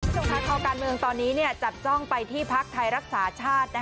คุณผู้ชมค่ะคอการเมืองตอนนี้จับจ้องไปที่พักไทยรักษาชาติ